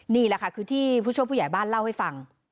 นี่แหละค่ะคือที่ผู้ช่วยผู้ใหญ่บ้านเล่าให้ฟัง